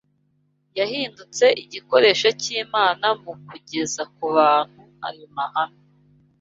Yahindutse igikoresho cy’Imana mu kugeza ku bantu ayo mahame